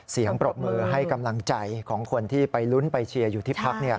ปรบมือให้กำลังใจของคนที่ไปลุ้นไปเชียร์อยู่ที่พัก